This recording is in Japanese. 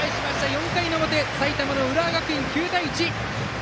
４回の表、埼玉の浦和学院９対１！